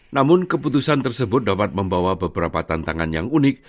namun keputusan tersebut dapat membawa beberapa tantangan yang unik